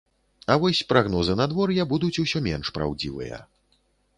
А вось прагнозы надвор'я будуць усё менш праўдзівыя.